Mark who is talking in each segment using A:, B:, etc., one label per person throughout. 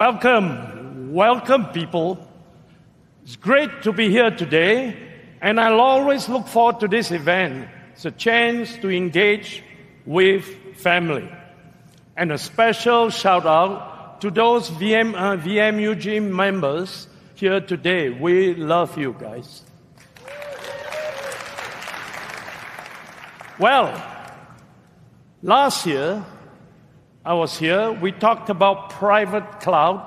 A: Welcome, welcome people. It's great to be here today, and I always look forward to this event. It's a chance to engage with family. A special shout out to those VMUG members here today. We love you, guys. Last year I was here, we talked about private cloud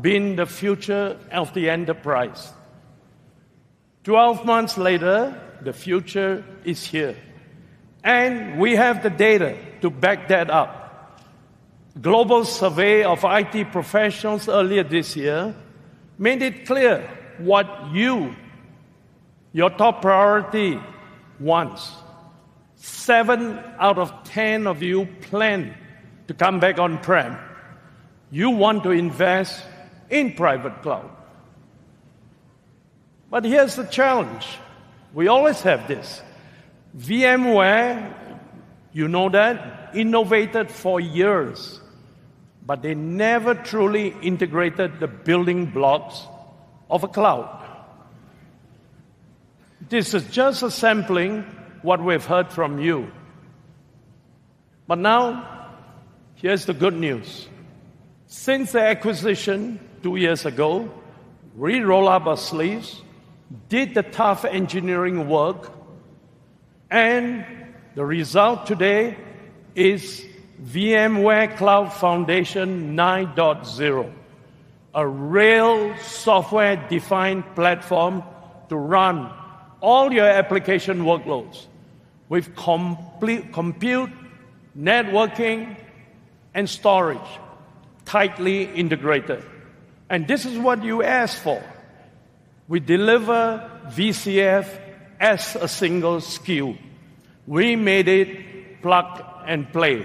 A: being the future of the enterprise. Twelve months later, the future is here, and we have the data to back that up. A global survey of IT professionals earlier this year made it clear what you, your top priority, want. Seven out of ten of you plan to come back on-prem. You want to invest in private cloud. Here's the challenge. We always have this. VMware, you know that, innovated for years, but they never truly integrated the building blocks of a cloud. This is just a sampling of what we've heard from you. Now, here's the good news. Since the acquisition two years ago, we rolled up our sleeves, did the tough engineering work, and the result today is VMware Cloud Foundation 9.0, a real software-defined platform to run all your application workloads with complete compute, networking, and storage tightly integrated. This is what you asked for. We deliver VCF as a single SKU. We made it plug and play.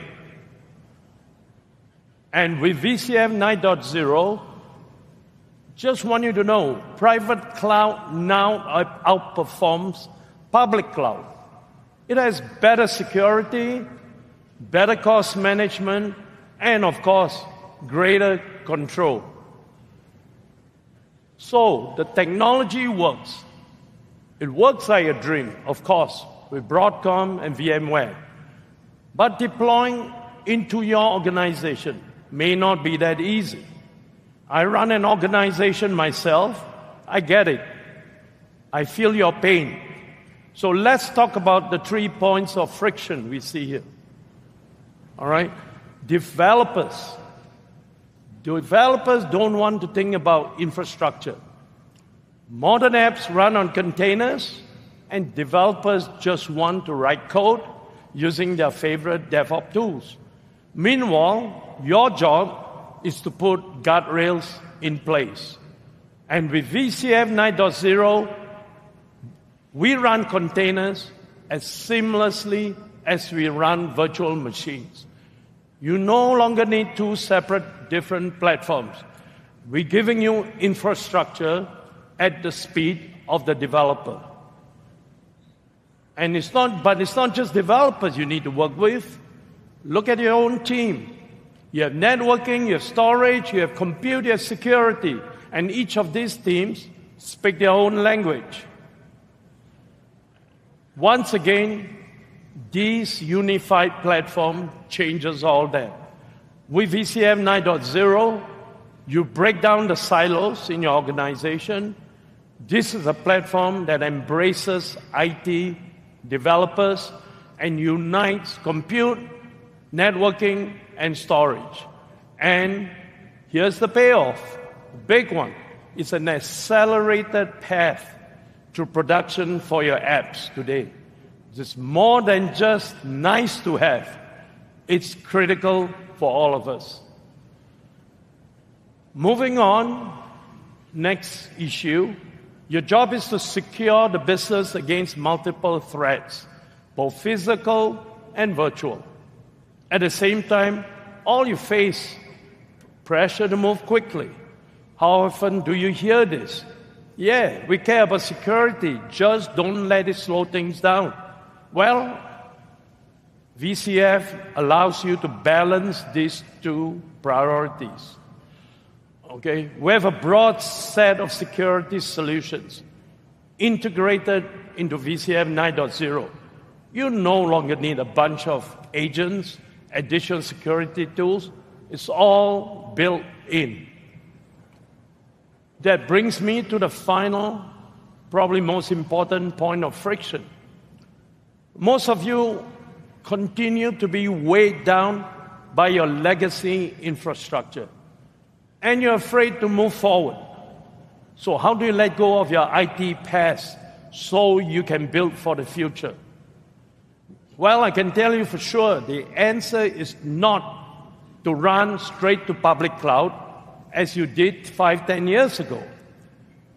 A: With VCF 9.0, I just want you to know private cloud now outperforms public cloud. It has better security, better cost management, and of course, greater control. The technology works. It works like a dream, of course, with Broadcom and VMware. Deploying into your organization may not be that easy. I run an organization myself. I get it. I feel your pain. Let's talk about the three points of friction we see here. All right? Developers. Developers don't want to think about infrastructure. Modern apps run on containers, and developers just want to write code using their favorite DevOps tools. Meanwhile, your job is to put guardrails in place. With VCF 9.0, we run containers as seamlessly as we run virtual machines. You no longer need two separate different platforms. We're giving you infrastructure at the speed of the developer. It's not, but it's not just developers you need to work with. Look at your own team. You have networking, you have storage, you have compute, you have security. Each of these teams speaks their own language. Once again, this unified platform changes all that. With VCF 9.0, you break down the silos in your organization. This is a platform that embraces IT, developers, and unites compute, networking, and storage. Here's the payoff. The big one. It's an accelerated path to production for your apps today. This is more than just nice to have. It's critical for all of us. Moving on, next issue. Your job is to secure the business against multiple threats, both physical and virtual. At the same time, all you face is pressure to move quickly. How often do you hear this? Yeah, we care about security. Just don't let it slow things down. VCF allows you to balance these two priorities. We have a broad set of security solutions integrated into VCF 9.0. You no longer need a bunch of agents, additional security tools. It's all built in. That brings me to the final, probably most important point of friction. Most of you continue to be weighed down by your legacy infrastructure, and you're afraid to move forward. How do you let go of your IT past so you can build for the future? I can tell you for sure the answer is not to run straight to public cloud as you did five, ten years ago.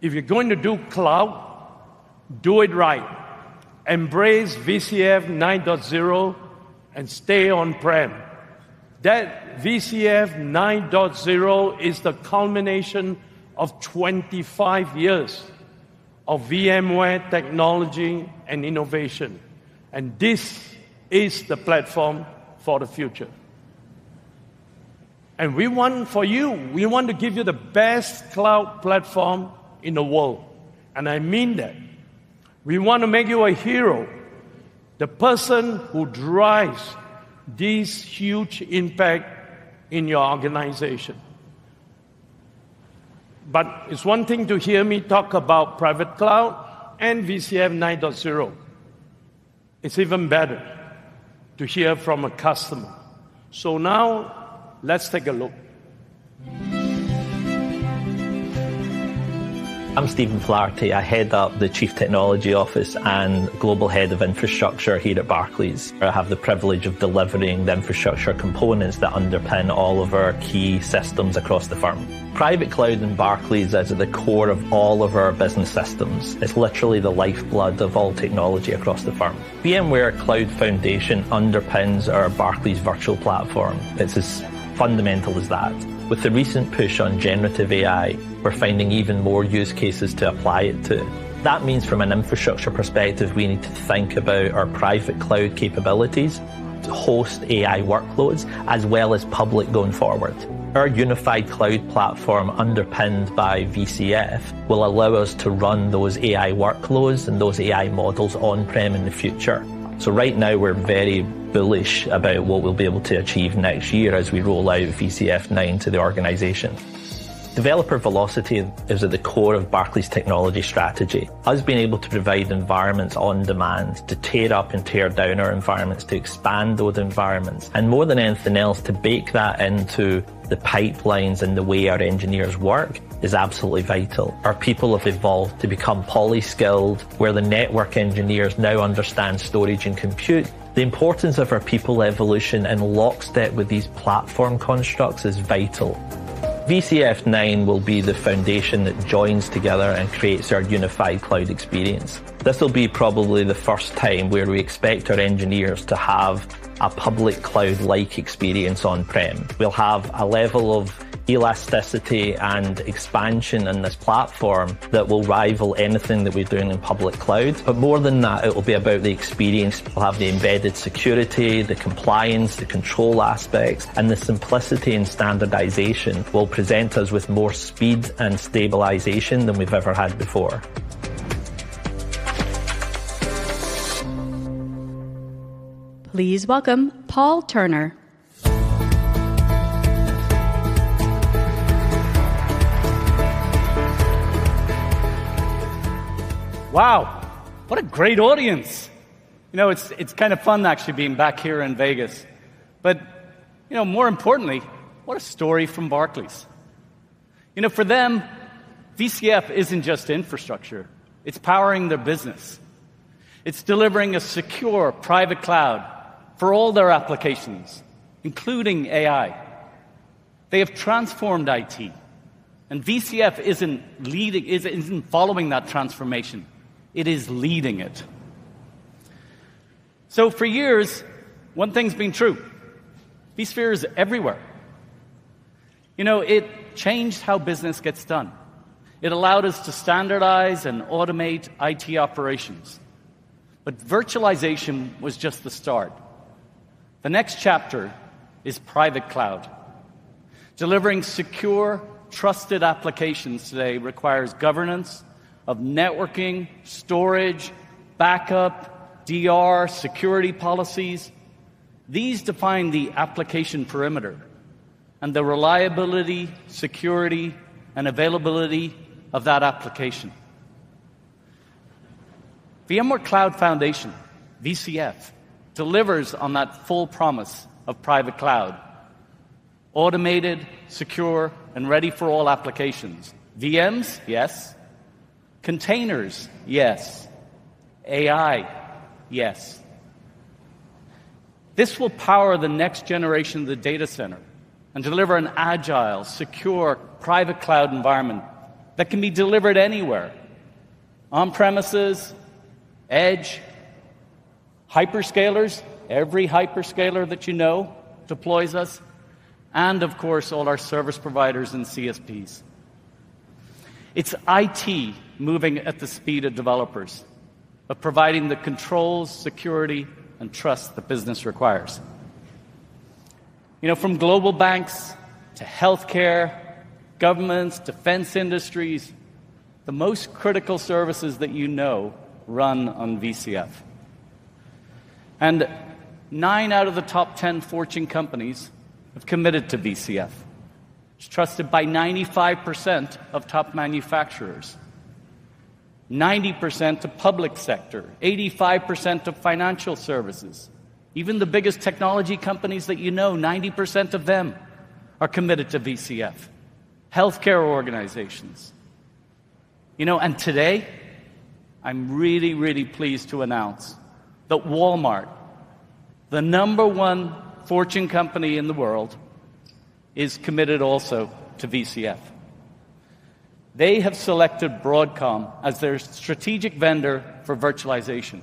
A: If you're going to do cloud, do it right. Embrace VCF 9.0 and stay on-prem. VCF 9.0 is the culmination of 25 years of VMware technology and innovation. This is the platform for the future. We want for you, we want to give you the best cloud platform in the world. I mean that. We want to make you a hero, the person who drives this huge impact in your organization. It's one thing to hear me talk about private cloud and VCF 9.0. It's even better to hear from a customer. Now, let's take a look. I'm Stephen Flaherty. I head up the Chief Technology Office and Global Head of Infrastructure here at Barclays. I have the privilege of delivering the infrastructure components that underpin all of our key systems across the firm. Private cloud and Barclays are at the core of all of our business systems. It's literally the lifeblood of all technology across the firm. VMware Cloud Foundation underpins our Barclays virtual platform. It's as fundamental as that. With the recent push on generative AI, we're finding even more use cases to apply it to. That means from an infrastructure perspective, we need to think about our private cloud capabilities to host AI workloads as well as public going forward. Our unified cloud platform underpinned by VCF will allow us to run those AI workloads and those AI models on-prem in the future. Right now, we're very bullish about what we'll be able to achieve next year as we roll out VCF 9.0 to the organization. Developer velocity is at the core of Barclays' technology strategy. Us being able to provide environments on demand to tear up and tear down our environments, to expand those environments, and more than anything else, to bake that into the pipelines and the way our engineers work is absolutely vital. Our people have evolved to become poly-skilled, where the network engineers now understand storage and compute. The importance of our people evolution in lockstep with these platform constructs is vital. VCF 9.0 will be the foundation that joins together and creates our unified cloud experience. This will be probably the first time where we expect our engineers to have a public cloud-like experience on-prem. We'll have a level of elasticity and expansion in this platform that will rival anything that we're doing in public clouds. More than that, it will be about the experience. We'll have the embedded security, the compliance, the control aspect, and the simplicity and standardization will present us with more speed and stabilization than we've ever had before.
B: Please welcome Paul Turner.
C: Wow. What a great audience. You know, it's kind of fun actually being back here in Vegas. More importantly, what a story from Barclays. For them, VCF isn't just infrastructure. It's powering their business. It's delivering a secure private cloud for all their applications, including AI. They have transformed IT. VCF isn't following that transformation. It is leading it. For years, one thing's been true, vSphere is everywhere. You know, it changed how business gets done. It allowed us to standardize and automate IT operations. Virtualization was just the start. The next chapter is Private cloud. Delivering secure, trusted applications today requires governance of networking, storage, backup, DR, security policies. These define the application perimeter and the reliability, security, and availability of that application. VMware Cloud Foundation, VCF, delivers on that full promise of private cloud. Automated, secure, and ready for all applications. VMs? Yes. Containers? Yes. AI? Yes. This will power the next generation of the data center and deliver an agile, secure, private cloud environment that can be delivered anywhere. On-premises, edge, hyperscalers, every hyperscaler that you know deploys us, and of course, all our service providers and CSPs. It's IT moving at the speed of developers, providing the controls, security, and trust the business requires. From global banks to healthcare, governments, and defense industries, the most critical services that you know run on VCF. Nine out of the top 10 Fortune companies have committed to VCF. It's trusted by 95% of top manufacturers, 90% of the public sector, 85% of financial services. Even the biggest technology companies that you know, 90% of them are committed to VCF. Healthcare organizations. Today, I'm really, really pleased to announce that Walmart, the number one Fortune company in the world, is committed also to VCF. They have selected Broadcom as their strategic vendor for virtualization.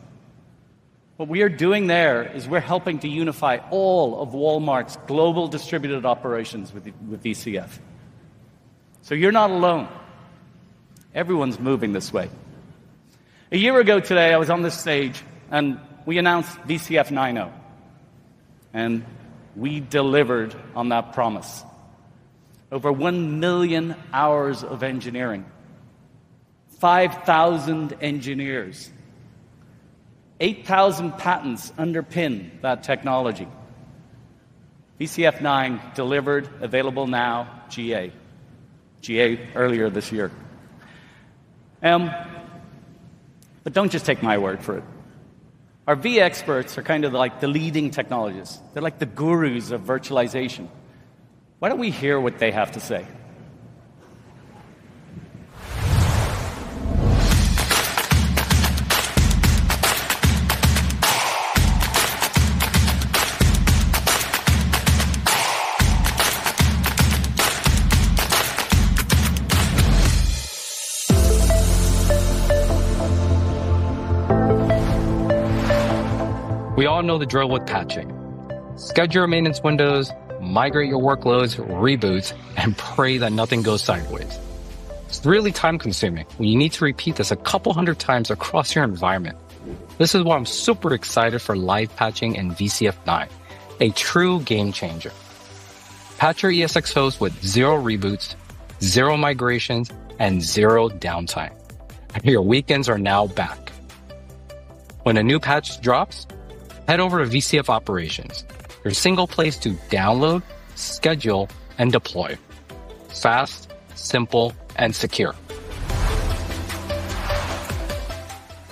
C: What we are doing there is we're helping to unify all of Walmart's global distributed operations with VCF. You're not alone. Everyone's moving this way. A year ago today, I was on this stage, and we announced VCF 9.0. We delivered on that promise. Over 1 million hours of engineering, 5,000 engineers, 8,000 patents underpin that technology. VCF 9 delivered, available now, GA. GA earlier this year. Don't just take my word for it. Our vExperts are kind of like the leading technologists. They're like the gurus of virtualization. Why don't we hear what they have to say? We all know the drill with patching. Schedule your maintenance windows, migrate your workloads, reboots, and pray that nothing goes sideways. It's really time-consuming when you need to repeat this a couple hundred times across your environment. This is why I'm super excited for live patching and VCF 9.0. A true game changer. Patch your ESXi host with zero reboots, zero migrations, and zero downtime. Your weekends are now back. When a new patch drops, head over to VCF Operations, your single place to download, schedule, and deploy. Fast, simple, and secure.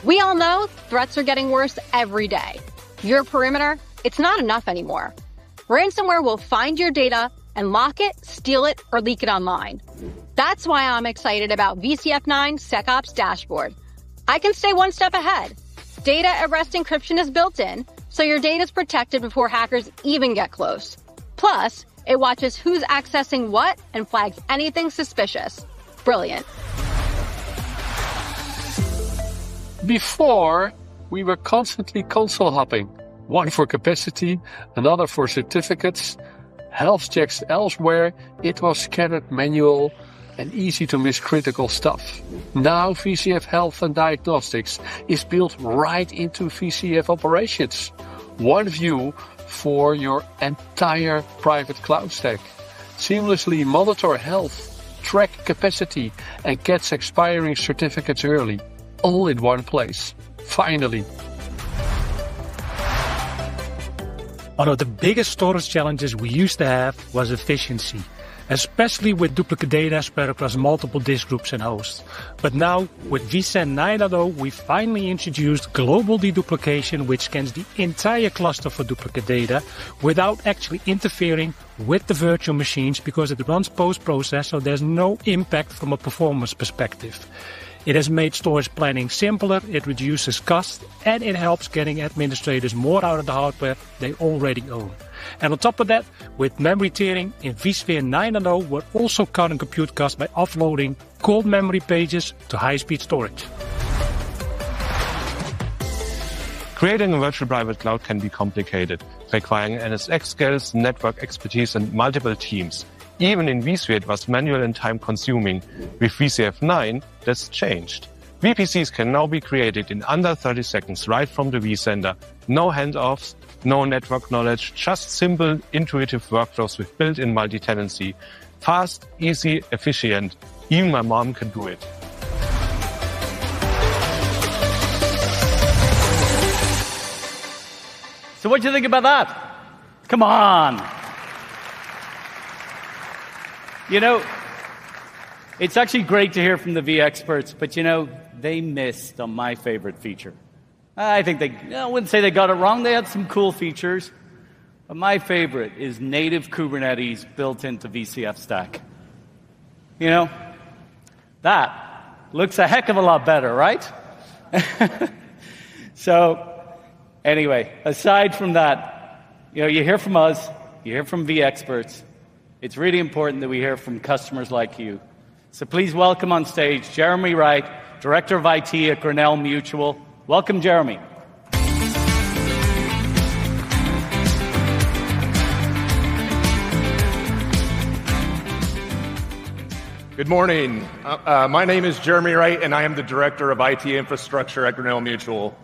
C: We all know threats are getting worse every day. Your perimeter? It's not enough anymore. Ransomware will find your data and lock it, steal it, or leak it online. That's why I'm excited about VCF 9.0's SecOps Dashboard. I can stay one step ahead. Data at rest encryption is built in, so your data is protected before hackers even get close. Plus, it watches who's accessing what and flags anything suspicious. Brilliant. Before, we were constantly console hopping. One for capacity, another for certificates. Health checks elsewhere. It was scattered, manual, and easy to miss critical stuff. Now VCF Health and Diagnostics is built right into VCF Operations. One view for your entire private cloud stack. Seamlessly monitor health, track capacity, and catch expiring certificates early, all in one place. Finally. One of the biggest storage challenges we used to have was efficiency, especially with duplicate data spread across multiple disk groups and hosts. Now, with VCF 9.0, we finally introduced global deduplication, which scans the entire cluster for duplicate data without actually interfering with the virtual machines because it runs post-process, so there's no impact from a performance perspective. It has made storage planning simpler, it reduces cost, and it helps getting administrators more out of the hardware they already own. On top of that, with memory tiering in vSphere 9.0, we're also cutting compute costs by offloading cold memory pages to high-speed storage. Creating a virtual private cloud can be complicated, requiring NSX skills, network expertise, and multiple teams. Even in vSphere, it was manual and time-consuming. With VCF 9.0, that's changed. VPCs can now be created in under 30 seconds right from the vCenter. No handoffs, no network knowledge, just simple, intuitive workflows with built-in multi-tenancy. Fast, easy, efficient. Even my mom can do it. What do you think about that? Come on. You know, it's actually great to hear from the vExperts, but you know, they missed on my favorite feature. I think they, I wouldn't say they got it wrong. They had some cool features, but my favorite is native Kubernetes built into the VCF stack. You know, that looks a heck of a lot better, right? Anyway, aside from that, you hear from us, you hear from vExperts. It's really important that we hear from customers like you. Please welcome on stage Jeremy Wright, Director of IT Infrastructure at Grinnell Mutual. Welcome, Jeremy!
D: Good morning. My name is Jeremy Wright, and I am the Director of IT Infrastructure at Grinnell Mutual.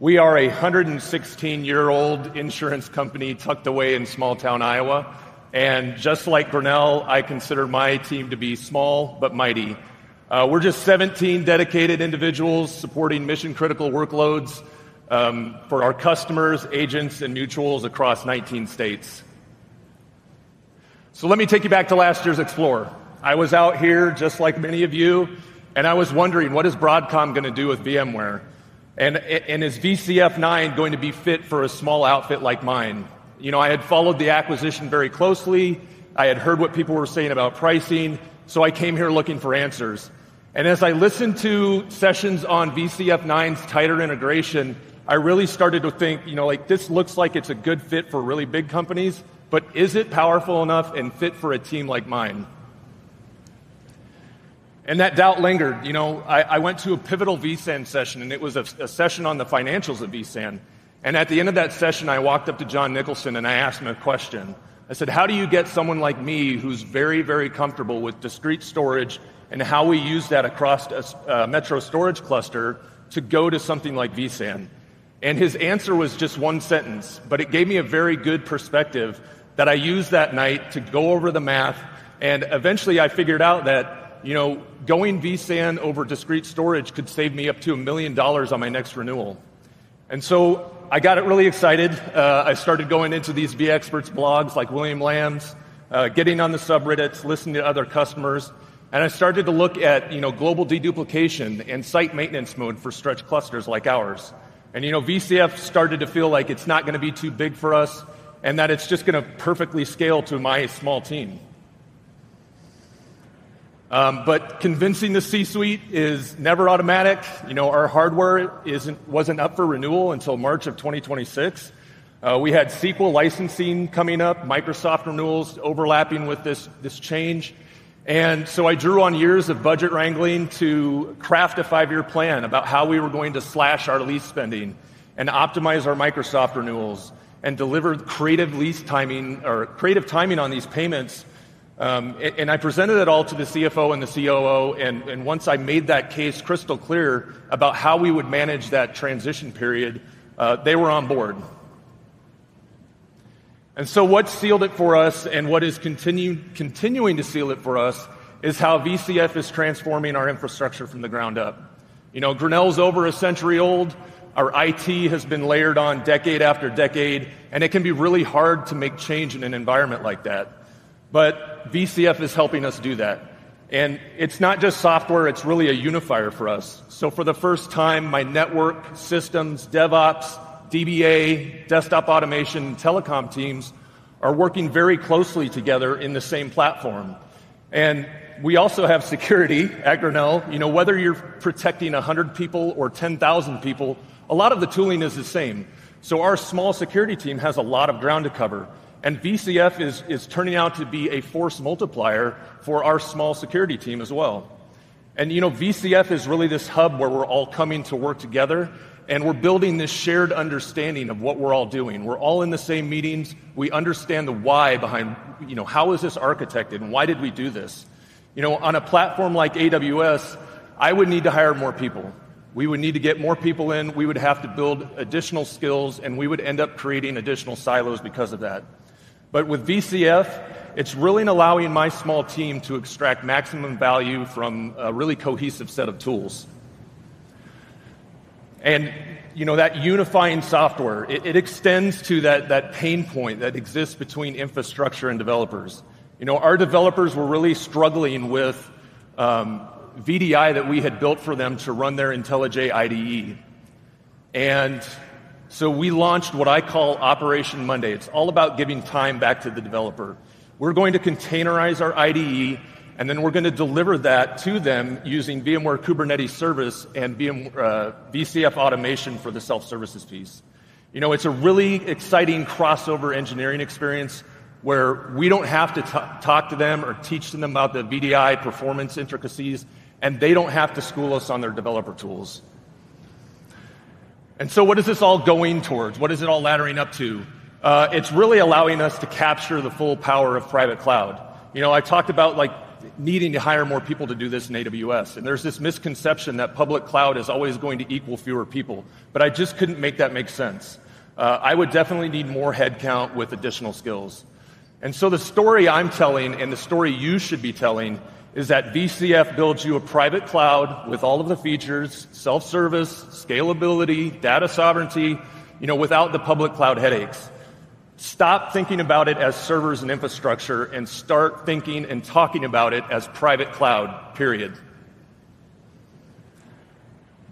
D: We are a 116-year-old insurance company tucked away in small-town Iowa. Just like Grinnell, I consider my team to be small but mighty. We're just 17 dedicated individuals supporting mission-critical workloads for our customers, agents, and mutuals across 19 states. Let me take you back to last year's Explorer. I was out here, just like many of you, and I was wondering, what is Broadcom going to do with VMware? Is VCF 9.0 going to be fit for a small outfit like mine? I had followed the acquisition very closely. I had heard what people were saying about pricing. I came here looking for answers. As I listened to sessions on VCF 9.0's tighter integration, I really started to think, you know, this looks like it's a good fit for really big companies, but is it powerful enough and fit for a team like mine? That doubt lingered. I went to a pivotal vSAN session, and it was a session on the financials of vSAN. At the end of that session, I walked up to John Nicholson, and I asked him a question. I said, how do you get someone like me, who's very, very comfortable with discrete storage, and how we use that across a metro storage cluster to go to something like vSAN? His answer was just one sentence, but it gave me a very good perspective that I used that night to go over the math. Eventually, I figured out that going vSAN over discrete storage could save me up to million dollars on my next renewal. I got really excited. I started going into these vExperts blogs, like William Lam's, getting on the subreddits, listening to other customers. I started to look at global deduplication and site maintenance mode for stretch clusters like ours. VCF started to feel like it's not going to be too big for us and that it's just going to perfectly scale to my small team. Convincing the C-suite is never automatic. Our hardware wasn't up for renewal until March of 2026. We had SQL licensing coming up, Microsoft renewals overlapping with this change. I drew on years of budget wrangling to craft a five-year plan about how we were going to slash our lease spending and optimize our Microsoft renewals and deliver creative lease timing or creative timing on these payments. I presented it all to the CFO and the COO. Once I made that case crystal clear about how we would manage that transition period, they were on board. What sealed it for us and what is continuing to seal it for us is how VCF is transforming our infrastructure from the ground up. Grinnell is over a century old. Our IT has been layered on decade after decade. It can be really hard to make change in an environment like that. VCF is helping us do that. It is not just software. It is really a unifier for us. For the first time, my network systems, DevOps, DBA, desktop automation, and telecom teams are working very closely together in the same platform. We also have security at Grinnell. Whether you are protecting 100 people or 10,000 people, a lot of the tooling is the same. Our small security team has a lot of ground to cover. VCF is turning out to be a force multiplier for our small security team as well. VCF is really this hub where we are all coming to work together. We are building this shared understanding of what we are all doing. We are all in the same meetings. We understand the why behind how is this architected and why did we do this. On a platform like AWS, I would need to hire more people. We would need to get more people in. We would have to build additional skills, and we would end up creating additional silos because of that. With VCF, it is really allowing my small team to extract maximum value from a really cohesive set of tools. That unifying software extends to that pain point that exists between infrastructure and developers. Our developers were really struggling with VDI that we had built for them to run their IntelliJ IDEA. We launched what I call Operation Monday. It is all about giving time back to the developer. We are going to containerize our IDE, and then we are going to deliver that to them using VMware Kubernetes Service and VCF Automation for the self-services piece. It is a really exciting crossover engineering experience where we do not have to talk to them or teach them about the VDI performance intricacies, and they do not have to school us on their developer tools. What is this all going towards? What is it all laddering up to? It is really allowing us to capture the full power of private cloud. I talked about needing to hire more people to do this in AWS. There is this misconception that public cloud is always going to equal fewer people. I just couldn't make that make sense. I would definitely need more headcount with additional skills. The story I'm telling and the story you should be telling is that VCF builds you a private cloud with all of the features: self-service, scalability, data sovereignty, without the public cloud headaches. Stop thinking about it as servers and infrastructure and start thinking and talking about it as private cloud, period.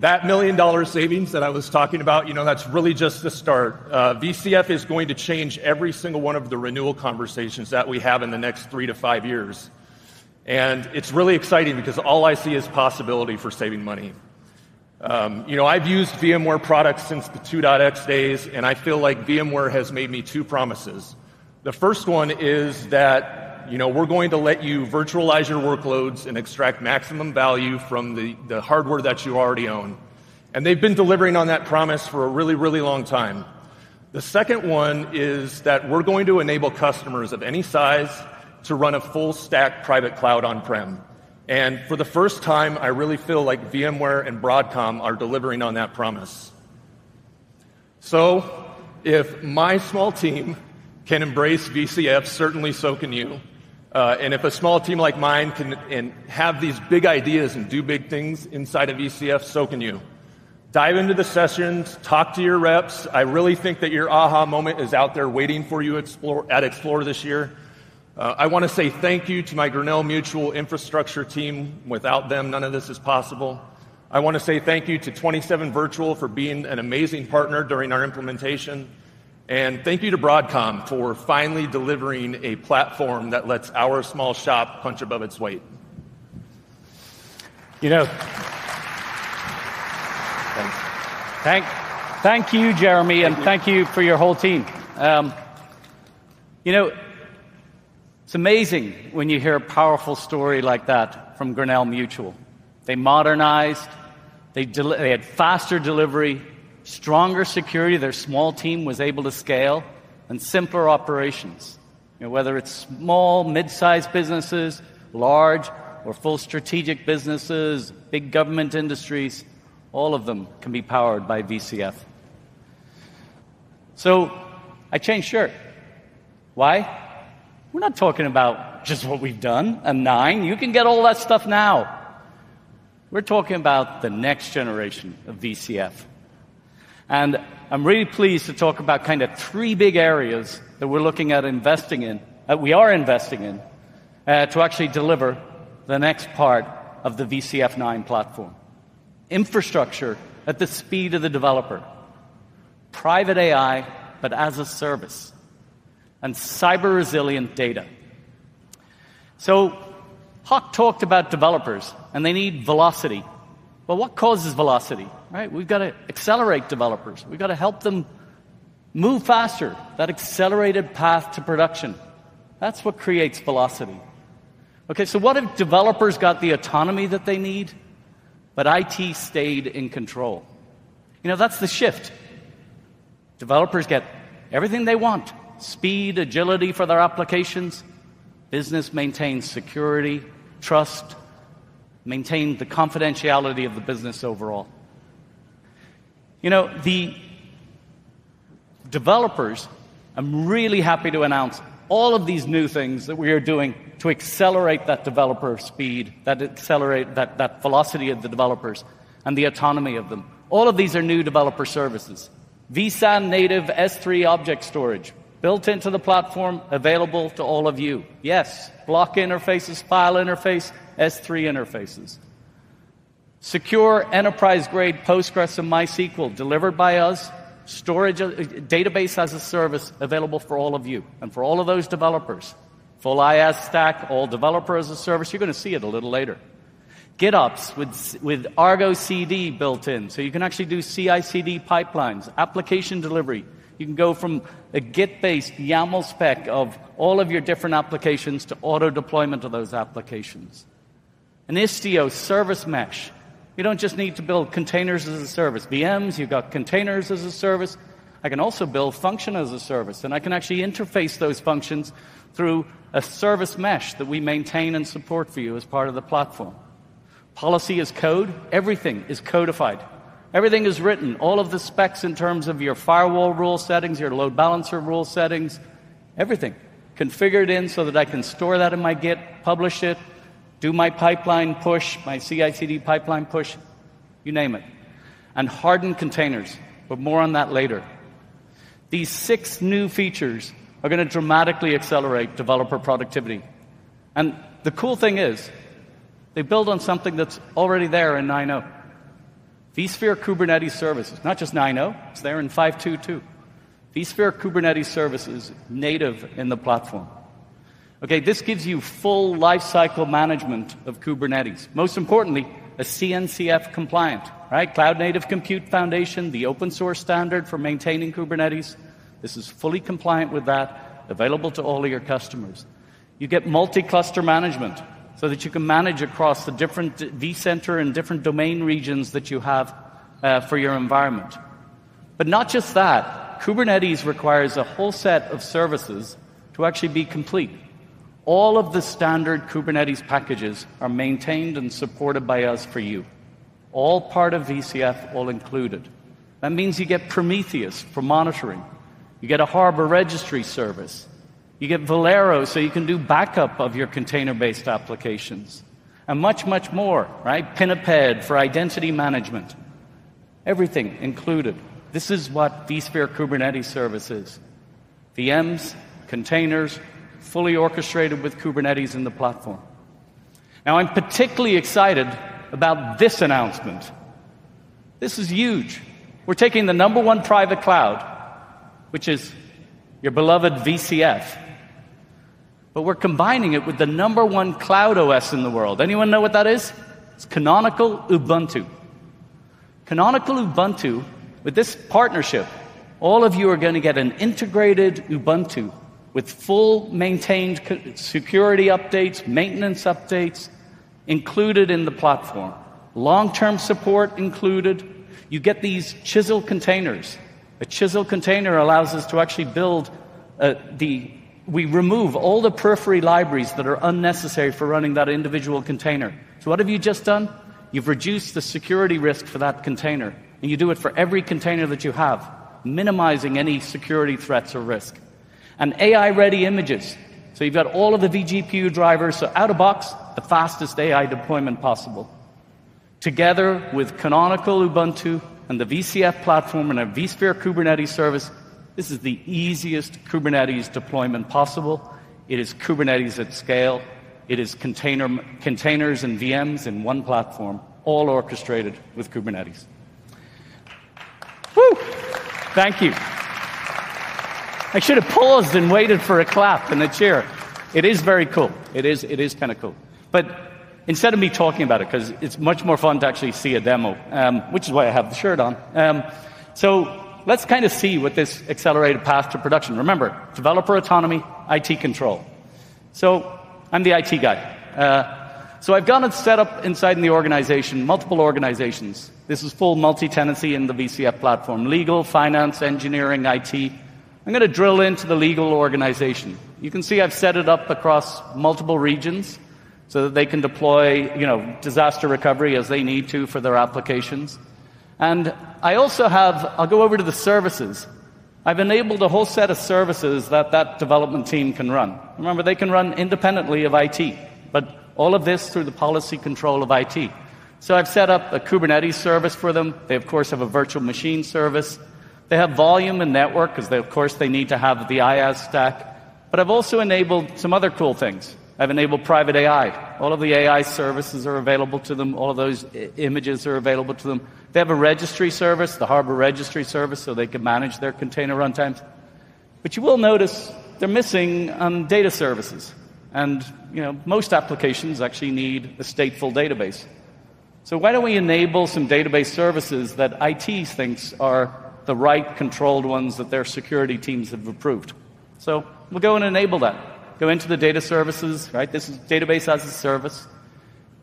D: That $1 million savings that I was talking about, that's really just the start. VCF is going to change every single one of the renewal conversations that we have in the next 3-5 years. It's really exciting because all I see is possibility for saving money. I've used VMware products since the 2.x days, and I feel like VMware has made me two promises. The first one is that we're going to let you virtualize your workloads and extract maximum value from the hardware that you already own. They've been delivering on that promise for a really, really long time. The second one is that we're going to enable customers of any size to run a full-stack private cloud on-prem. For the first time, I really feel like VMware and Broadcom are delivering on that promise. If my small team can embrace VCF, certainly so can you. If a small team like mine can have these big ideas and do big things inside of VCF, so can you. Dive into the sessions, talk to your reps. I really think that your aha moment is out there waiting for you at Explorer this year. I want to say thank you to my Grinnell Mutual Infrastructure team. Without them, none of this is possible. I want to say thank you to 27 Virtual for being an amazing partner during our implementation. Thank you to Broadcom for finally delivering a platform that lets our small shop punch above its weight.
C: Thank you, Jeremy, and thank you for your whole team. It's amazing when you hear a powerful story like that from Grinnell Mutual. They modernized, they had faster delivery, stronger security, their small team was able to scale, and simpler operations. Whether it's small, mid-sized businesses, large, or full strategic businesses, big government industries, all of them can be powered by VCF. I changed shirt. Why? We're not talking about just what we've done, a nine. You can get all that stuff now. We're talking about the next generation of VCF. I'm really pleased to talk about kind of three big areas that we're looking at investing in, that we are investing in, to actually deliver the next part of the VCF 9.0 platform: infrastructure at the speed of the developer, private AI as a service, and cyber-resilient data. Hock talked about developers, and they need velocity. What causes velocity? We've got to accelerate developers. We've got to help them move faster, that accelerated path to production. That's what creates velocity. What if developers got the autonomy that they need, but IT stayed in control? That's the shift. Developers get everything they want: speed, agility for their applications, business maintains security, trust, maintain the confidentiality of the business overall. The developers, I'm really happy to announce all of these new things that we are doing to accelerate that developer speed, that accelerate, that velocity of the developers, and the autonomy of them. All of these are new developer services. vSAN native S3 object storage built into the platform, available to all of you. Yes, block interfaces, file interface, S3 interfaces. Secure enterprise-grade Postgres and MySQL delivered by us. Storage database as a service available for all of you. For all of those developers, full IaaS stack, all developer as a service. You're going to see it a little later. GitOps with Argo CD built in, so you can actually do CI/CD pipelines, application delivery. You can go from a Git-based YAML spec of all of your different applications to auto-deployment of those applications. Istio service mesh. You don't just need to build containers as a service. VMs, you've got containers as a service. I can also build function as a service, and I can actually interface those functions through a service mesh that we maintain and support for you as part of the platform. Policy is code. Everything is codified. Everything is written. All of the specs in terms of your firewall rule settings, your load balancer rule settings, everything configured in so that I can store that in my Git, publish it, do my pipeline push, my CI/CD pipeline push, you name it. Hardened containers, more on that later. These six new features are going to dramatically accelerate developer productivity. The cool thing is they build on something that's already there in 9.0. vSphere Kubernetes Services, not just 9.0, it's there in 5.2.2. vSphere Kubernetes Services is native in the platform. This gives you full lifecycle management of Kubernetes. Most importantly, a CNCF compliant, right? Cloud Native Computing Foundation, the open source standard for maintaining Kubernetes. This is fully compliant with that, available to all of your customers. You get multi-cluster management so that you can manage across the different vCenter and different domain regions that you have for your environment. Kubernetes requires a whole set of services to actually be complete. All of the standard Kubernetes packages are maintained and supported by us for you. All part of VCF, all included. That means you get Prometheus for monitoring. You get a Harbor Registry Service. You get Velero, so you can do backup of your container-based applications. Much, much more, right? Pinniped for identity management. Everything included. This is what vSphere Kubernetes Service is. VMs, containers, fully orchestrated with Kubernetes in the platform. I'm particularly excited about this announcement. This is huge. We're taking the number one private cloud, which is your beloved VCF. We're combining it with the number one cloud OS in the world. Anyone know what that is? It's Canonical Ubuntu. Canonical Ubuntu, with this partnership, all of you are going to get an integrated Ubuntu with full maintained security updates, maintenance updates included in the platform. Long-term support included. You get these chisel containers. A chisel container allows us to actually build, we remove all the periphery libraries that are unnecessary for running that individual container. What have you just done? You've reduced the security risk for that container, and you do it for every container that you have, minimizing any security threats or risk. AI-ready images. You've got all of the vGPU drivers, so out of box, the fastest AI deployment possible. Together with Canonical Ubuntu and the VCF platform and a vSphere Kubernetes Service, this is the easiest Kubernetes deployment possible. It is Kubernetes at scale. It is containers and VMs in one platform, all orchestrated with Kubernetes. Whoo! Thank you. I should have paused and waited for a clap in the chair. It is very cool. It is kind of cool. Instead of me talking about it, because it's much more fun to actually see a demo, which is why I have the shirt on. Let's see what this accelerated path to production is. Remember, developer autonomy, IT control. I'm the IT guy. I've done a setup inside the organization, multiple organizations. This is full multi-tenancy in the VCF platform: legal, finance, engineering, IT. I'm going to drill into the legal organization. You can see I've set it up across multiple regions so that they can deploy disaster recovery as they need to for their applications. I also have, I'll go over to the services. I've enabled a whole set of services that that development team can run. They can run independently of IT, but all of this through the policy control of IT. I've set up a Kubernetes service for them. They, of course, have a virtual machine service. They have volume and network because they, of course, need to have the IaaS stack. I've also enabled some other cool things. I've enabled private AI. All of the AI services are available to them. All of those images are available to them. They have a registry service, the Harbor Registry Service, so they can manage their container runtimes. You will notice they're missing data services. Most applications actually need a stateful database. Why don't we enable some database services that IT thinks are the right controlled ones that their security teams have approved? We'll go and enable that. Go into the data services, right? This is database as a service.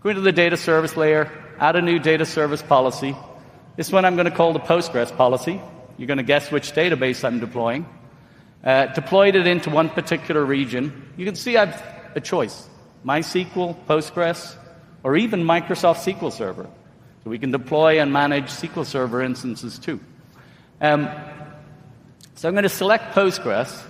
C: Go into the data service layer, add a new data service policy. This one I'm going to call the Postgres policy. You're going to guess which database I'm deploying. Deployed it into one particular region. You can see I have a choice: MySQL, Postgres, or even Microsoft SQL Server. We can deploy and manage SQL Server instances too. I'm going to select Postgres.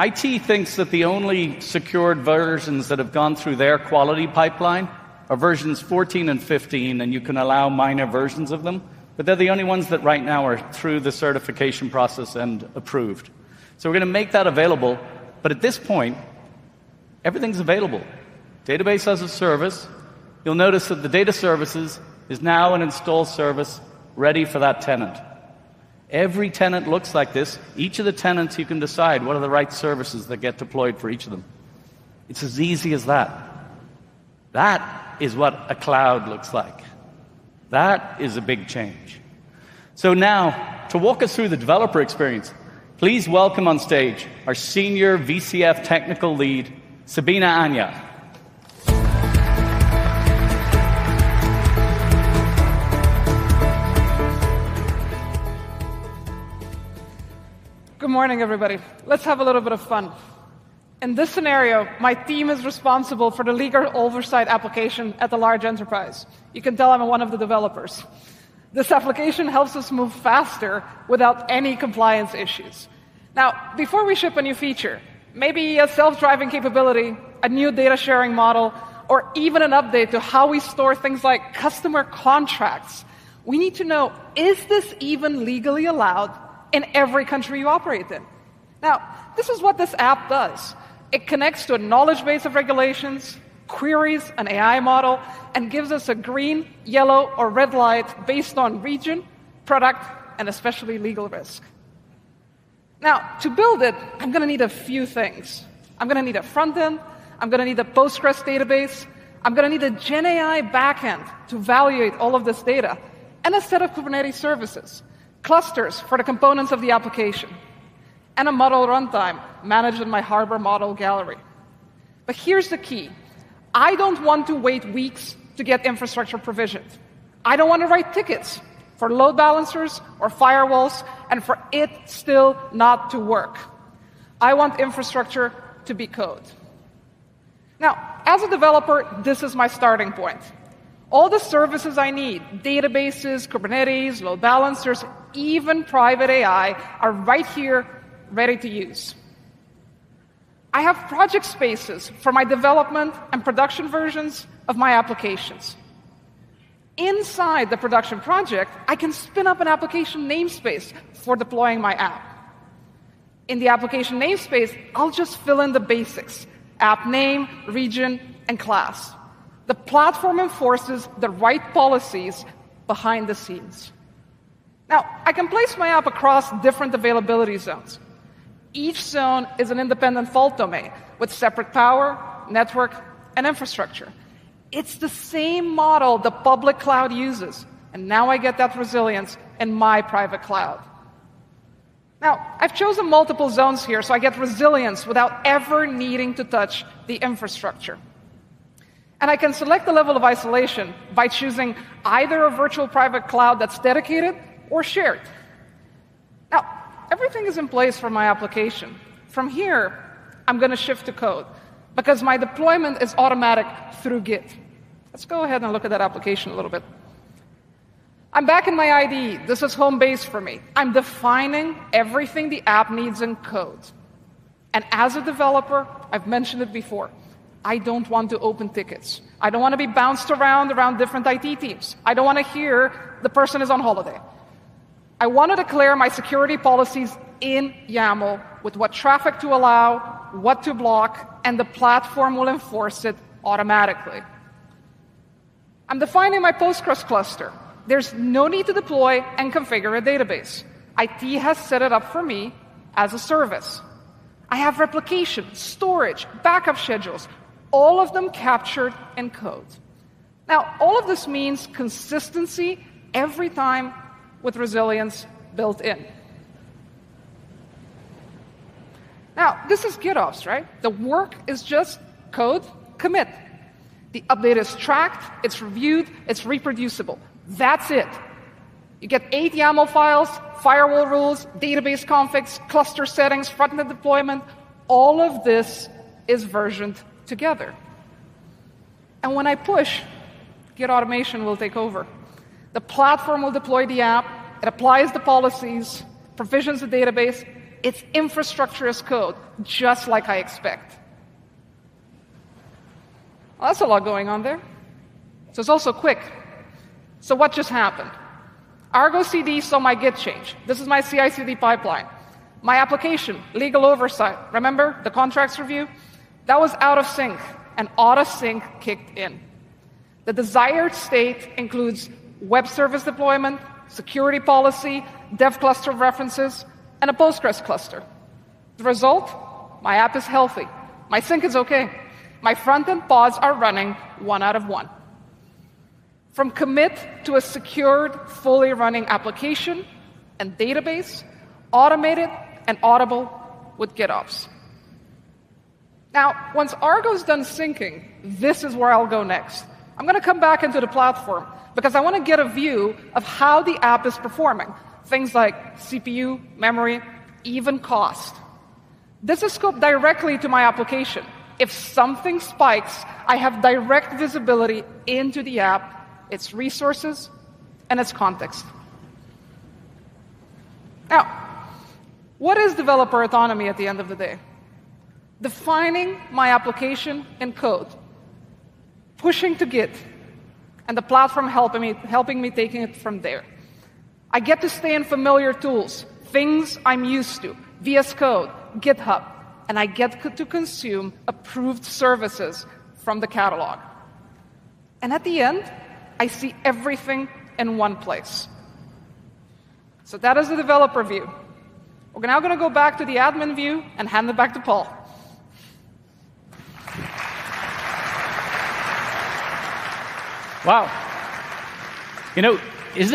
C: IT thinks that the only secured versions that have gone through their quality pipeline are versions 14 and 15, and you can allow minor versions of them. They are the only ones that right now are through the certification process and approved. We are going to make that available. At this point, everything's available. Database as a service. You'll notice that the data services is now an installed service ready for that tenant. Every tenant looks like this. Each of the tenants, you can decide what are the right services that get deployed for each of them. It's as easy as that. That is what a cloud looks like. That is a big change. Now, to walk us through the developer experience, please welcome on stage our Senior VCF Technical Lead, Sabina Anja.
E: Good morning, everybody. Let's have a little bit of fun. In this scenario, my team is responsible for the legal oversight application at a large enterprise. You can tell I'm one of the developers. This application helps us move faster without any compliance issues. Now, before we ship a new feature, maybe a self-driving capability, a new data sharing model, or even an update to how we store things like customer contracts, we need to know, is this even legally allowed in every country you operate in? This is what this app does. It connects to a knowledge base of regulations, queries an AI model, and gives us a green, yellow, or red light based on region, product, and especially legal risk. To build it, I'm going to need a few things. I'm going to need a frontend. I'm going to need a Postgres database. I'm going to need a GenAI backend to evaluate all of this data, and a set of Kubernetes services, clusters for the components of the application, and a Model Runtime managed in my Harbor Model Gallery. Here's the key. I don't want to wait weeks to get infrastructure provisioned. I don't want to write tickets for load balancers or firewalls and for it still not to work. I want infrastructure to be code. As a developer, this is my starting point. All the services I need, databases, Kubernetes, load balancers, even private AI, are right here ready to use. I have project spaces for my development and production versions of my applications. Inside the production project, I can spin up an application namespace for deploying my app. In the application namespace, I'll just fill in the basics: app name, region, and class. The platform enforces the right policies behind the scenes. I can place my app across different availability zones. Each zone is an independent fault domain with separate power, network, and infrastructure. It's the same model the public cloud uses. Now I get that resilience in my private cloud. I've chosen multiple zones here, so I get resilience without ever needing to touch the infrastructure. I can select the level of isolation by choosing either a virtual private cloud that's dedicated or shared. Everything is in place for my application. From here, I'm going to shift to code because my deployment is automatic through Git. Let's go ahead and look at that application a little bit. I'm back in my ID. This is home base for me. I'm defining everything the app needs in code. As a developer, I've mentioned it before, I don't want to open tickets. I don't want to be bounced around different IT teams. I don't want to hear the person is on holiday. I want to declare my security policies in YAML with what traffic to allow, what to block, and the platform will enforce it automatically. I'm defining my Postgres cluster. There's no need to deploy and configure a database. IT has set it up for me as a service. I have replication, storage, backup schedules, all of them captured in code. All of this means consistency every time with resilience built in. This is GitOps, right? The work is just code, commit. The update is tracked, it's reviewed, it's reproducible. That's it. You get eight YAML files, firewall rules, database configs, cluster settings, frontend deployment. All of this is versioned together. When I push, Git automation will take over. The platform will deploy the app. It applies the policies, provisions the database. Its infrastructure is code, just like I expect. That is a lot going on there. It is also quick. What just happened? Argo CD saw my Git change. This is my CI/CD pipeline. My application, legal oversight, remember, the contracts review, that was out of sync, and auto sync kicked in. The desired state includes web service deployment, security policy, dev cluster references, and a Postgres cluster. The result? My app is healthy. My sync is okay. My frontend pods are running one out of one. From commit to a secured, fully running application and database, automated and auditable with GitOps. Once Argo's done syncing, this is where I'll go next. I'm going to come back into the platform because I want to get a view of how the app is performing, things like CPU, memory, even cost. This is scoped directly to my application. If something spikes, I have direct visibility into the app, its resources, and its context. What is developer autonomy at the end of the day? Defining my application in code, pushing to Git, and the platform helping me, helping me take it from there. I get to stay in familiar tools, things I'm used to, VS Code, GitHub, and I get to consume approved services from the catalog. At the end, I see everything in one place. That is the developer view. We're now going to go back to the admin view and hand it back to Paul.
C: Wow. Isn't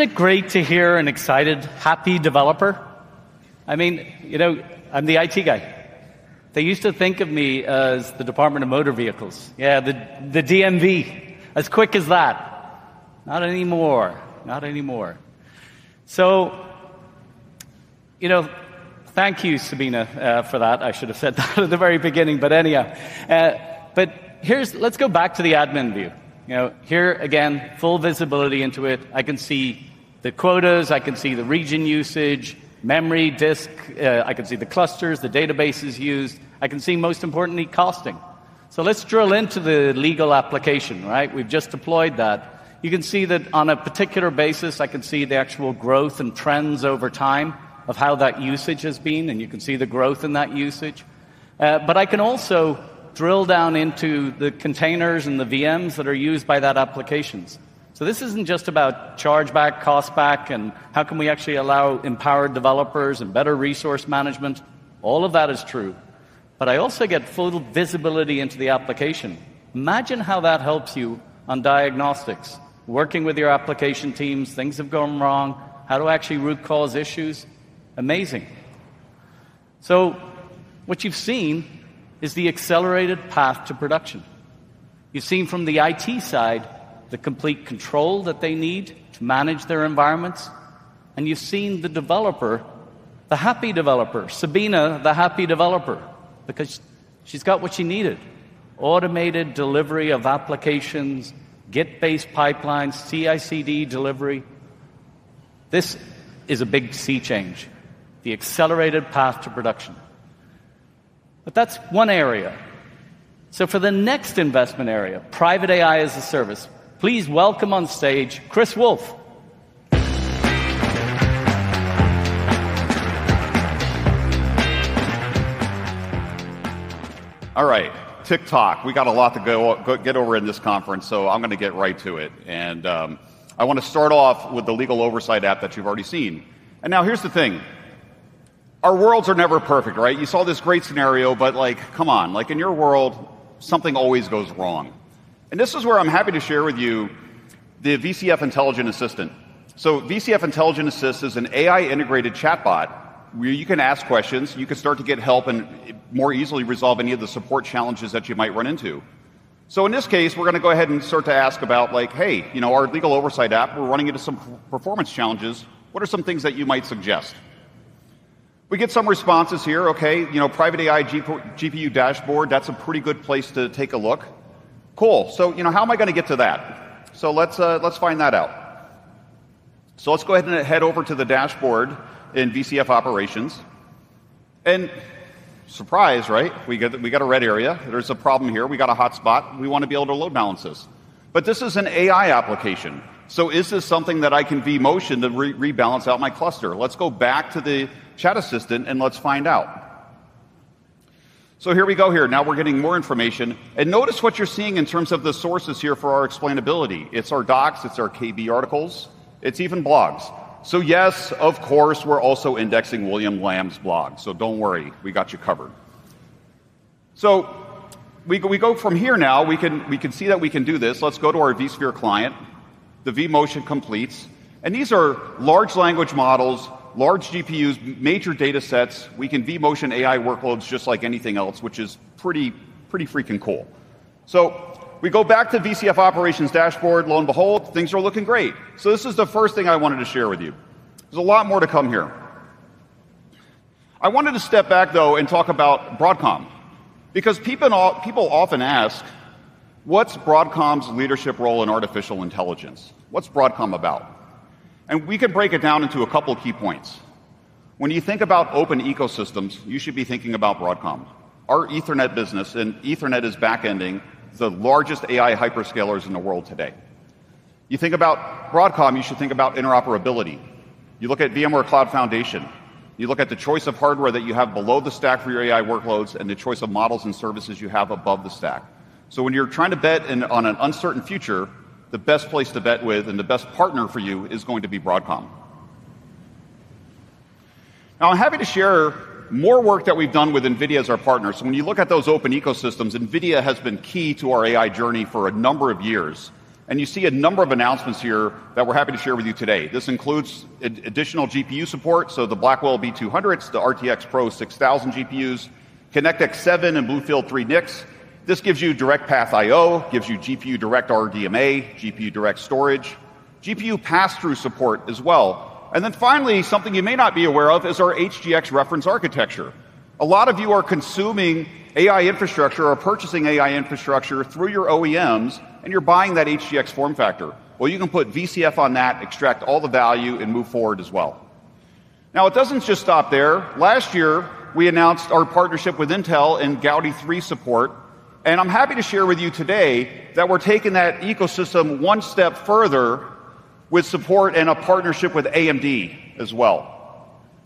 C: it great to hear an excited, happy developer? I'm the IT guy. They used to think of me as the Department of Motor Vehicles. Yeah, the DMV, as quick as that. Not anymore. Not anymore. Thank you, Sabina, for that. I should have said that at the very beginning. Anyhow, let's go back to the admin view. Here again, full visibility into it. I can see the quotas. I can see the region usage, memory, disk. I can see the clusters, the databases used. I can see, most importantly, costing. Let's drill into the legal application, right? We've just deployed that. You can see that on a particular basis, I can see the actual growth and trends over time of how that usage has been, and you can see the growth in that usage. I can also drill down into the containers and the VMs that are used by that application. This isn't just about chargeback, costback, and how can we actually allow empowered developers and better resource management. All of that is true. I also get full visibility into the application. Imagine how that helps you on diagnostics, working with your application teams. Things have gone wrong. How to actually root cause issues. Amazing. What you've seen is the accelerated path to production. You've seen from the IT side the complete control that they need to manage their environments. You've seen the developer, the happy developer, Sabina, the happy developer, because she's got what she needed: automated delivery of applications, Git-based pipelines, CI/CD delivery. This is a big C change, the accelerated path to production. That's one area. For the next investment area, private AI as a service, please welcome on stage Chris Wolf.
F: All right, TikTok. We got a lot to get over in this conference, so I'm going to get right to it. I want to start off with the legal oversight app that you've already seen. Now here's the thing. Our worlds are never perfect, right? You saw this great scenario, but like, come on, like in your world, something always goes wrong. This is where I'm happy to share with you the VCF Intelligent Assistant. VCF Intelligent Assistant is an AI-integrated chatbot where you can ask questions, you can start to get help and more easily resolve any of the support challenges that you might run into. In this case, we're going to go ahead and start to ask about like, hey, you know, our legal oversight app, we're running into some performance challenges. What are some things that you might suggest? We get some responses here. Okay, you know, private AI GPU dashboard, that's a pretty good place to take a look. Cool. You know, how am I going to get to that? Let's find that out. Let's go ahead and head over to the dashboard in VCF Operations. Surprise, right? We got a red area. There's a problem here. We got a hot spot. We want to be able to load balance this. This is an AI application. Is this something that I can vMotion to rebalance out my cluster? Let's go back to the chat assistant and let's find out. Here we go here. Now we're getting more information. Notice what you're seeing in terms of the sources here for our explainability. It's our docs, it's our KB articles, it's even blogs. Yes, of course, we're also indexing William Lam's blog. Don't worry, we got you covered. We go from here now. We can see that we can do this. Let's go to our vSphere client. The vMotion completes. These are large language models, large GPUs, major data sets. We can vMotion AI workloads just like anything else, which is pretty, pretty freaking cool. We go back to VCF Operations dashboard. Lo and behold, things are looking great. This is the first thing I wanted to share with you. There's a lot more to come here. I wanted to step back, though, and talk about Broadcom. People often ask, what's Broadcom's leadership role in artificial intelligence? What's Broadcom about? We can break it down into a couple of key points. When you think about open ecosystems, you should be thinking about Broadcom. Our Ethernet business, and Ethernet is backending the largest AI hyperscalers in the world today. You think about Broadcom, you should think about interoperability. You look at VMware Cloud Foundation. You look at the choice of hardware that you have below the stack for your AI workloads and the choice of models and services you have above the stack. When you're trying to bet on an uncertain future, the best place to bet with and the best partner for you is going to be Broadcom. I'm happy to share more work that we've done with NVIDIA as our partner. When you look at those open ecosystems, NVIDIA has been key to our AI journey for a number of years. You see a number of announcements here that we're happy to share with you today. This includes additional GPU support. The Blackwell B200s, the RTX Pro 6000 GPUs, ConnectX 7 and BlueField 3 NICs. This gives you Direct Path IO, gives you GPU Direct RDMA, GPU Direct Storage, GPU Passthrough support as well. Finally, something you may not be aware of is our HGX reference architecture. A lot of you are consuming AI infrastructure or purchasing AI infrastructure through your OEMs, and you're buying that HGX form factor. You can put VCF on that, extract all the value, and move forward as well. It doesn't just stop there. Last year, we announced our partnership with Intel and Gaudi 3 support. I'm happy to share with you today that we're taking that ecosystem one step further with support and a partnership with AMD as well.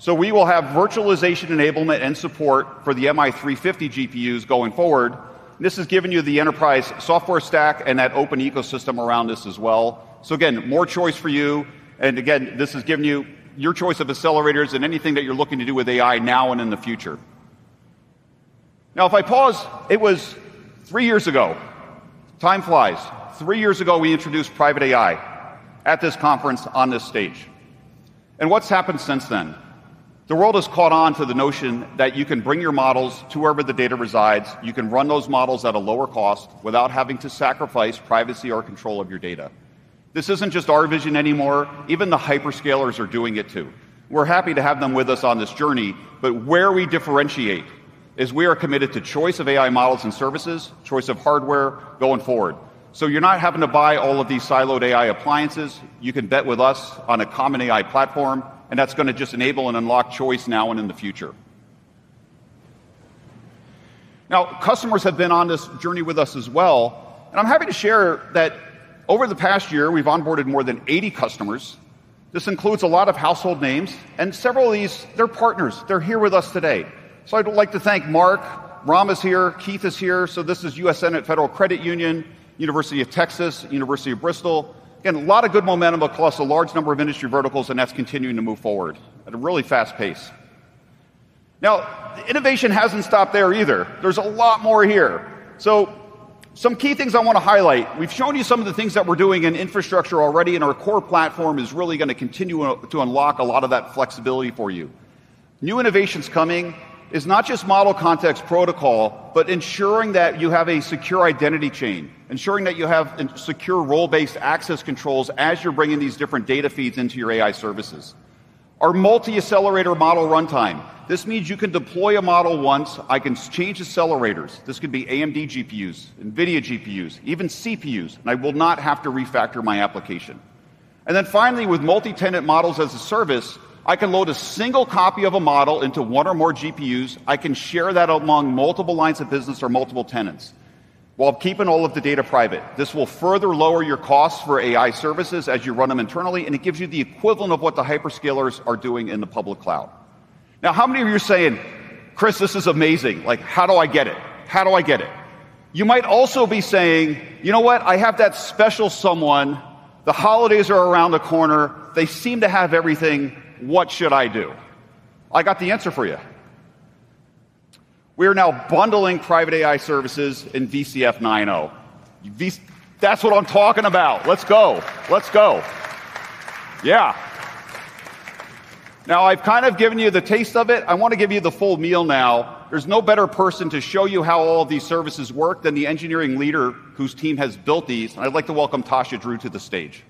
F: We will have virtualization enablement and support for the MI350 GPUs going forward. This has given you the enterprise software stack and that open ecosystem around this as well. Again, more choice for you. This has given you your choice of accelerators and anything that you're looking to do with AI now and in the future. If I pause, it was three years ago. Time flies. Three years ago, we introduced private AI at this conference on this stage. What's happened since then? The world has caught on to the notion that you can bring your models to wherever the data resides. You can run those models at a lower cost without having to sacrifice privacy or control of your data. This isn't just our vision anymore. Even the hyperscalers are doing it too. We're happy to have them with us on this journey. Where we differentiate is we are committed to choice of AI models and services, choice of hardware going forward. You're not having to buy all of these siloed AI appliances. You can bet with us on a common AI platform. That is going to just enable and unlock choice now and in the future. Customers have been on this journey with us as well. I am happy to share that over the past year, we have onboarded more than 80 customers. This includes a lot of household names. Several of these are partners. They are here with us today. I would like to thank Mark Rahm is here. Keith is here. This is U.S. Senate Federal Credit Union, University of Texas, University of Bristol. There is a lot of good momentum across a large number of industry verticals, and that is continuing to move forward at a really fast pace. The innovation has not stopped there either. There is a lot more here. Some key things I want to highlight: we have shown you some of the things that we are doing in infrastructure already, and our core platform is really going to continue to unlock a lot of that flexibility for you. New innovations coming are not just model context protocol, but ensuring that you have a secure identity chain, ensuring that you have secure role-based access controls as you are bringing these different data feeds into your AI services. Our multi-accelerator Model Runtime means you can deploy a model once. I can change accelerators. This could be AMD GPUs, NVIDIA GPUs, even CPUs, and I will not have to refactor my application. Finally, with multi-tenant models as a service, I can load a single copy of a model into one or more GPUs. I can share that among multiple lines of business or multiple tenants while keeping all of the data private. This will further lower your costs for AI services as you run them internally, and it gives you the equivalent of what the hyperscalers are doing in the public cloud. How many of you are saying, "Chris, this is amazing? Like, how do I get it? How do I get it?" You might also be saying, "You know what? I have that special someone. The holidays are around the corner. They seem to have everything. What should I do?" I have the answer for you. We are now bundling private AI services in VCF 9.0. That is what I am talking about. Let's go. Let's go. Yeah. I have kind of given you the taste of it. I want to give you the full meal now. There is no better person to show you how all of these services work than the Engineering Leader whose team has built these. I would like to welcome Tasha Drew to the stage.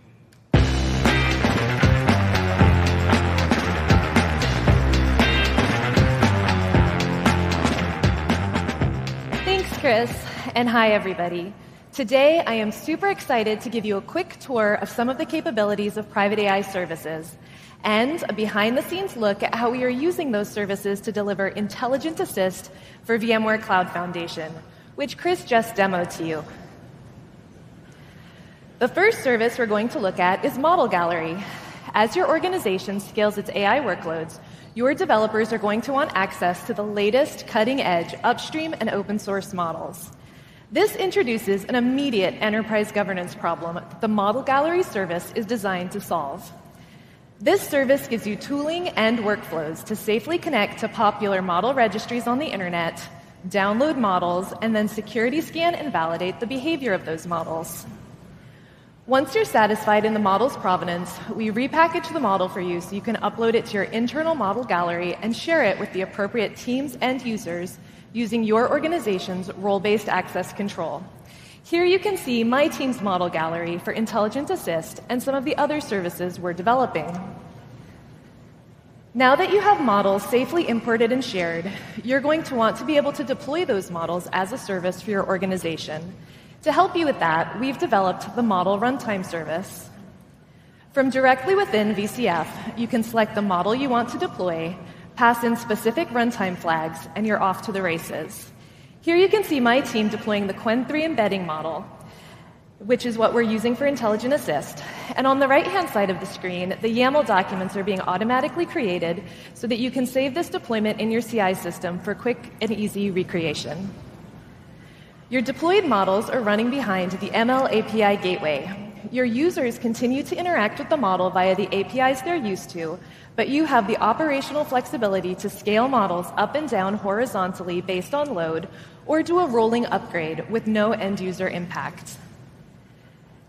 G: Thanks, Chris. Hi, everybody. Today, I am super excited to give you a quick tour of some of the capabilities of private AI services and a behind-the-scenes look at how we are using those services to deliver intelligent assist for VMware Cloud Foundation, which Chris just demoed to you. The first service we're going to look at is Model Gallery. As your organization scales its AI workloads, your developers are going to want access to the latest cutting-edge upstream and open-source models. This introduces an immediate enterprise governance problem the Model Gallery service is designed to solve. This service gives you tooling and workflows to safely connect to popular model registries on the internet, download models, and then security scan and validate the behavior of those models. Once you're satisfied in the model's provenance, we repackage the model for you so you can upload it to your internal Model Gallery and share it with the appropriate teams and users using your organization's role-based access control. Here you can see my team's Model Gallery for intelligent assist and some of the other services we're developing. Now that you have models safely imported and shared, you're going to want to be able to deploy those models as a service for your organization. To help you with that, we've developed the Model Runtime service. From directly within VCF, you can select the model you want to deploy, pass in specific runtime flags, and you're off to the races. Here you can see my team deploying the Qwen2 embedding model, which is what we're using for intelligent assist. On the right-hand side of the screen, the YAML documents are being automatically created so that you can save this deployment in your CI system for quick and easy recreation. Your deployed models are running behind the ML API gateway. Your users continue to interact with the model via the APIs they're used to, but you have the operational flexibility to scale models up and down horizontally based on load or do a rolling upgrade with no end-user impact.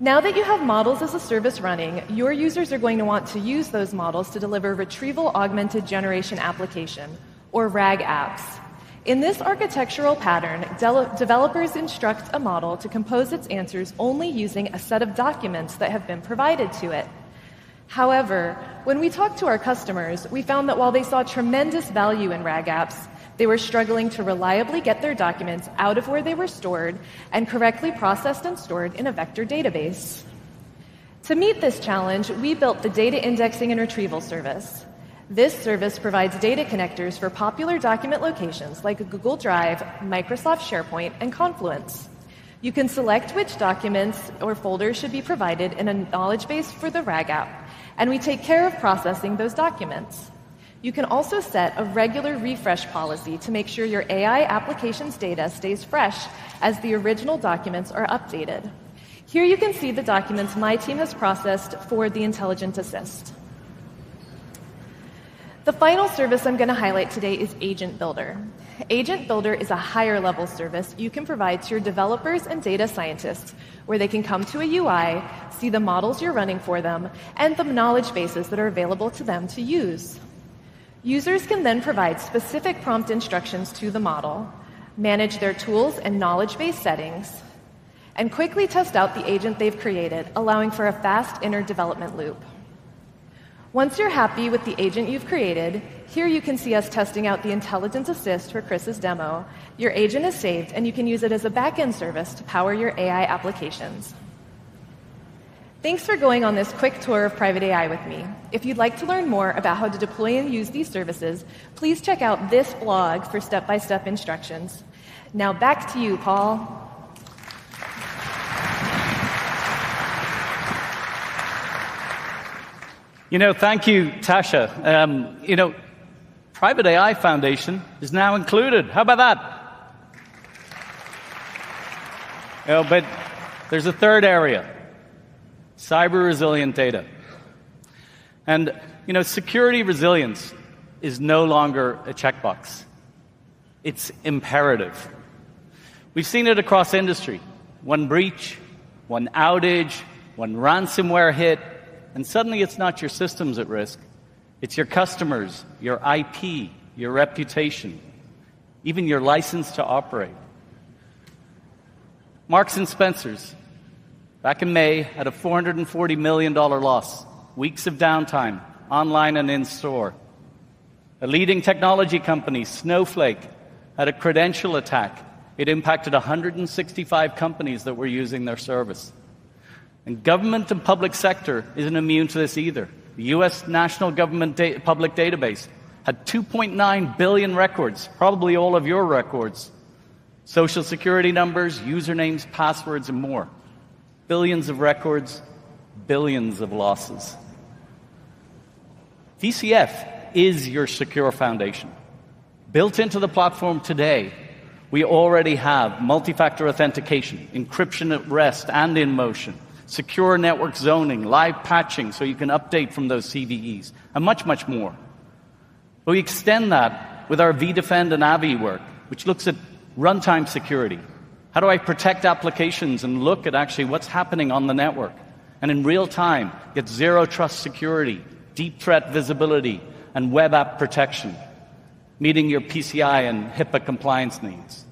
G: Now that you have models as a service running, your users are going to want to use those models to deliver retrieval augmented generation application, or RAG apps. In this architectural pattern, developers instruct a model to compose its answers only using a set of documents that have been provided to it. However, when we talked to our customers, we found that while they saw tremendous value in RAG apps, they were struggling to reliably get their documents out of where they were stored and correctly processed and stored in a vector database. To meet this challenge, we built the Data Indexing and Retrieval Service. This service provides data connectors for popular document locations like Google Drive, Microsoft SharePoint, and Confluence. You can select which documents or folders should be provided in a knowledge base for the RAG app, and we take care of processing those documents. You can also set a regular refresh policy to make sure your AI application's data stays fresh as the original documents are updated. Here you can see the documents my team has processed for the intelligent assist. The final service I'm going to highlight today is Agent Builder. Agent Builder is a higher-level service you can provide to your developers and data scientists, where they can come to a UI, see the models you're running for them, and the knowledge bases that are available to them to use. Users can then provide specific prompt instructions to the model, manage their tools and knowledge base settings, and quickly test out the agent they've created, allowing for a fast inner development loop. Once you're happy with the agent you've created, here you can see us testing out the intelligent assist for Chris's demo. Your agent is saved, and you can use it as a backend service to power your AI applications. Thanks for going on this quick tour of private AI with me. If you'd like to learn more about how to deploy and use these services, please check out this blog for step-by-step instructions. Now back to you, Paul.
C: Thank you, Tasha. Private AI Foundation is now included. How about that? There's a third area, cyber-resilient data. Security resilience is no longer a checkbox. It's imperative. We've seen it across industry. One breach, one outage, one ransomware hit, and suddenly it's not your systems at risk. It's your customers, your IP, your reputation, even your license to operate. Marks & Spencer, back in May, had a $440 million loss, weeks of downtime online and in store. A leading technology company, Snowflake, had a credential attack. It impacted 165 companies that were using their service. Government and public sector isn't immune to this either. The U.S. National Government Public Database had 2.9 billion records, probably all of your records, social security numbers, usernames, passwords, and more. Billions of records, billions of losses. VCF is your secure foundation. Built into the platform today, we already have multi-factor authentication, encryption at rest and in motion, secure network zoning, live patching so you can update from those CVEs, and much, much more. We extend that with our vDefend and AVI work, which looks at runtime security. How do I protect applications and look at actually what's happening on the network? In real time, get zero trust security, deep threat visibility, and web app protection, meeting your PCI and HIPAA compliance needs.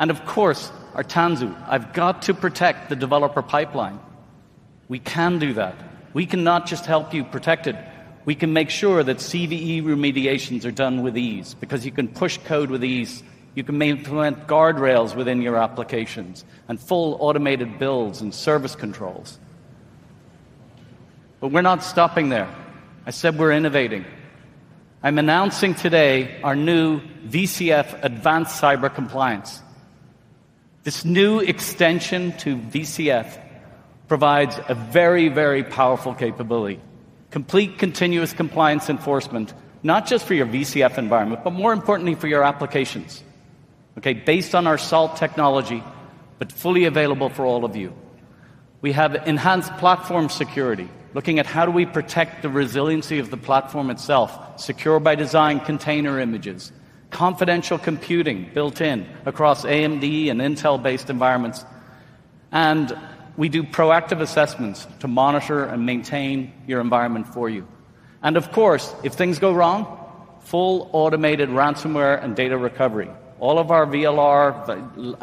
C: Of course, our Tanzu. I've got to protect the developer pipeline. We can do that. We cannot just help you protect it. We can make sure that CVE remediations are done with ease because you can push code with ease. You can implement guardrails within your applications and full automated builds and service controls. We're not stopping there. I said we're innovating. I'm announcing today our new VCF Advanced Cyber Compliance. This new extension to VCF provides a very, very powerful capability, complete continuous compliance enforcement, not just for your VCF environment, but more importantly for your applications. Based on our SALT technology, but fully available for all of you. We have enhanced platform security, looking at how do we protect the resiliency of the platform itself, secure by design container images, confidential computing built in across AMD and Intel-based environments. We do proactive assessments to monitor and maintain your environment for you. Of course, if things go wrong, full automated ransomware and data recovery. All of our VLR,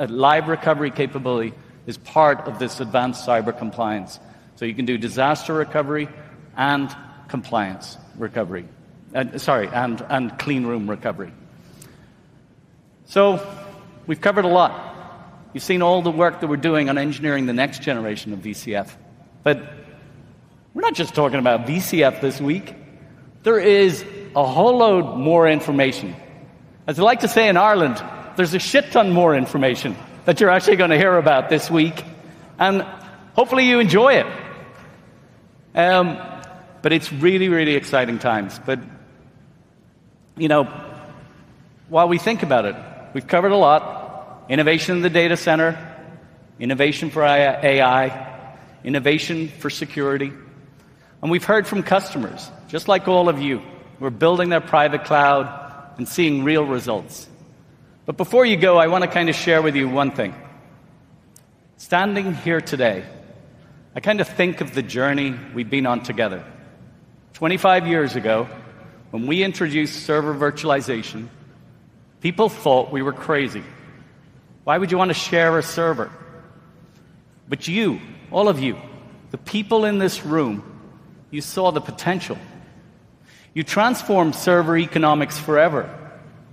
C: live recovery capability, is part of this advanced cyber compliance. You can do disaster recovery and compliance recovery, and clean room recovery. We've covered a lot. You've seen all the work that we're doing on engineering the next generation of VCF. We're not just talking about VCF this week. There is a whole load more information. As I like to say in Ireland, there's a shit ton more information that you're actually going to hear about this week. Hopefully you enjoy it. It's really, really exciting times. While we think about it, we've covered a lot. Innovation in the data center, innovation for AI, innovation for security. We've heard from customers, just like all of you, who are building their private cloud and seeing real results. Before you go, I want to kind of share with you one thing. Standing here today, I kind of think of the journey we've been on together. Twenty-five years ago, when we introduced server virtualization, people thought we were crazy. Why would you want to share a server? You, all of you, the people in this room, you saw the potential. You transformed server economics forever.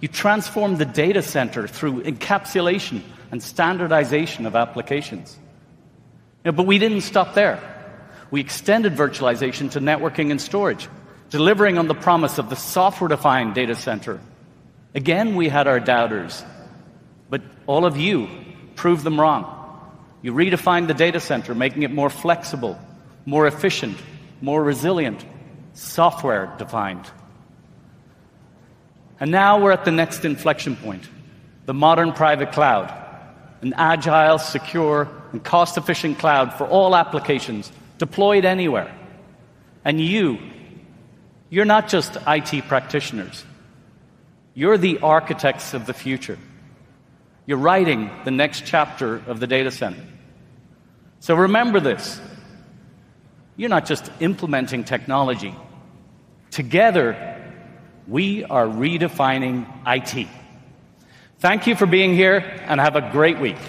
C: You transformed the data center through encapsulation and standardization of applications. We didn't stop there. We extended virtualization to networking and storage, delivering on the promise of the software-defined data center. We had our doubters. All of you proved them wrong. You redefined the data center, making it more flexible, more efficient, more resilient, software-defined. Now we're at the next inflection point, the modern private cloud, an agile, secure, and cost-efficient cloud for all applications deployed anywhere. You, you're not just IT practitioners. You're the architects of the future. You're writing the next chapter of the data center. Remember this. You're not just implementing technology. Together, we are redefining IT. Thank you for being here, and have a great week.